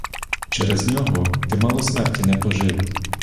Через нього ти мало смерті не пожив.